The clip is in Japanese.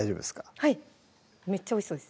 はいめっちゃおいしそうです